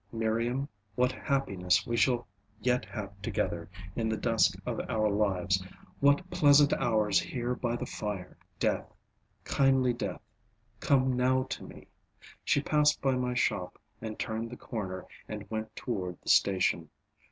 Miriam, what happiness we shall yet have together, in the dusk of our lives, what pleasant hours here by the fire Death, kindly death, come now to me. She passed by my shop and turned the corner and went toward the station.